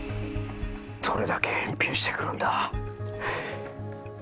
どれだけ返品してくるんだ。